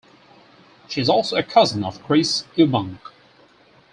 She is also a cousin of Chris Eubank.